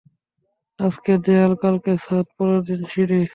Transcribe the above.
আজকে দেয়াল, কালকে ছাদ, পরের দিন সিঁড়ি।